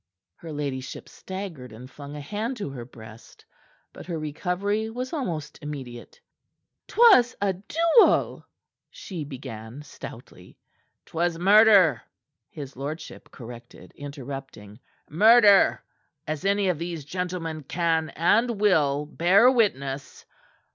Her ladyship staggered and flung a hand to her breast. But her recovery was almost immediate. "'Twas a duel " she began stoutly. "'Twas murder," his lordship corrected, interrupting "murder, as any of these gentlemen can and will bear witness.